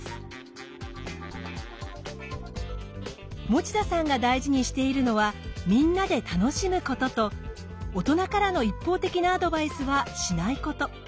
持田さんが大事にしているのはみんなで楽しむことと大人からの一方的なアドバイスはしないこと。